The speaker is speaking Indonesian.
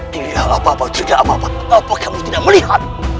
tidak apa apa tidak apa apa kami tidak melihat